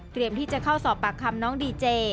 ที่จะเข้าสอบปากคำน้องดีเจ